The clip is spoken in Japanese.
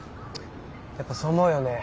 やっぱそう思うよね。